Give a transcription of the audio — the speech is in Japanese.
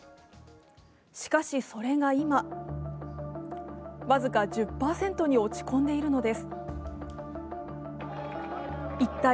しかし、それが今、僅か１０％に落ち込んでいるのです。